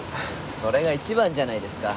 それが一番じゃないですか。